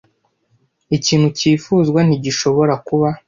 Ikintu cyifuzwa ntigishobora kuba;